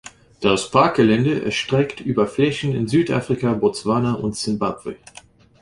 Das Parkgelände erstreckt über Flächen in Südafrika, Botswana und Simbabwe.